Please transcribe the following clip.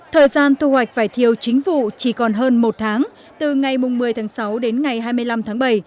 thời gian thu hoạch vải thiều chính vụ chỉ còn hơn một tháng từ ngày một mươi tháng sáu đến ngày hai mươi năm tháng bảy